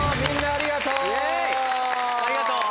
ありがとう！